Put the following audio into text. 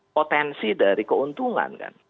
potensi dari keuntungan